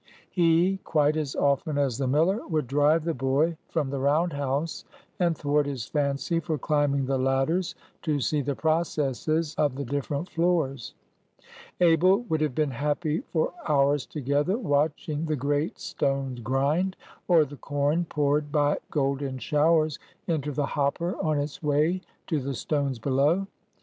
He, quite as often as the miller, would drive the boy from the round house, and thwart his fancy for climbing the ladders to see the processes of the different floors. Abel would have been happy for hours together watching the great stones grind, or the corn poured by golden showers into the hopper on its way to the stones below.